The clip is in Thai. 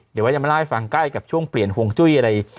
เดี๋ยวว่าจะมาเล่าให้ฟังใกล้กับช่วงเปลี่ยนห่วงจุ้ยอะไร